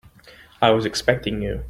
I was expecting you.